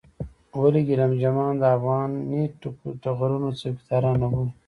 ولې ګېلم جمان د افغاني ټغرونو څوکيداران نه بولې.